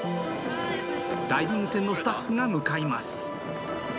ダイビング船のスタッフが向かいます。